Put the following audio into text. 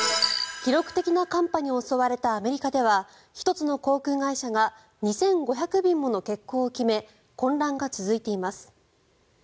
記録的な寒波に襲われたアメリカでは１つの航空会社が２５００便もの欠航を決め混乱が続いています。